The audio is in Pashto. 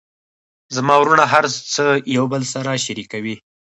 زما وروڼه هر څه یو بل سره شریکوي